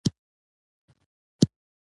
کښلی مخ